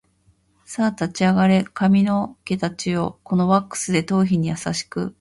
さあ立ち上がれ髪の毛たちよ、このワックスで頭皮に優しく